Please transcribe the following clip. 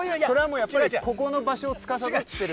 ここの場所をつかさどってる。